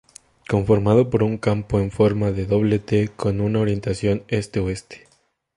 Conformado por un campo en forma de doble "T" con una orientación este-oeste.